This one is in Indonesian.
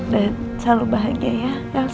dan selalu bahagia ya